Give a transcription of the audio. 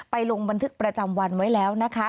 ลงบันทึกประจำวันไว้แล้วนะคะ